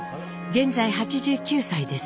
現在８９歳です。